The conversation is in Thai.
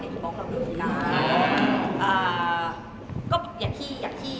ในคอนงี้